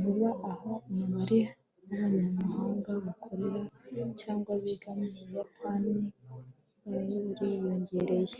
Vuba aha umubare wabanyamahanga bakora cyangwa biga mu Buyapani wariyongereye